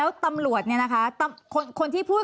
เป็นตำรวจพูดซะเป็นส่วนใหญ่หรือว่าเป็นผู้ชายที่มาทีหลังค่ะ